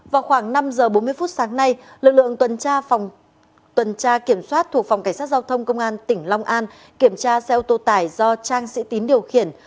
vào khoảng năm giờ bốn mươi phút sáng nay lực lượng tuần tra kiểm soát thuộc phòng cảnh sát giao thông công an tỉnh long an kiểm tra xe ô tô tải do trang sĩ tín điều khiển